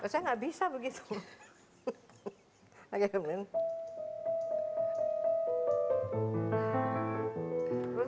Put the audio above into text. saya gak bisa begitu